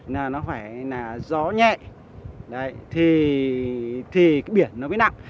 nó phải là gió nhẹ thì biển nó mới nặng